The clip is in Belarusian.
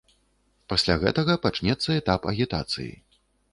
Пасля гэтага пачнецца этап агітацыі.